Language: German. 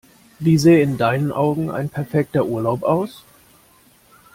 Wie sähe in deinen Augen ein perfekter Urlaub aus?